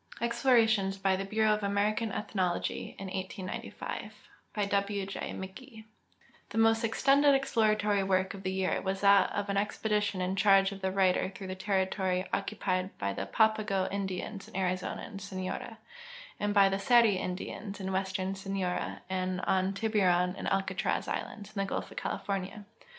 EXPLORATIONS BY THE BUREAU OF AMERICAN ETHNOLOGY IN 1895 By W J McGee The most extended exploratory work of the year was that of an expedition in charge of the writer through the territory occu pied by the Papago Indians in Arizona and Sonora, and by tlie Seri Indians in western Sonora and on Tibnron and Alcatraz islands, in the gulf of California.